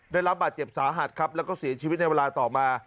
ได้รับบาดเจ็บสาหัสครับแล้วก็เสียชีวิตในเวลาต่อมา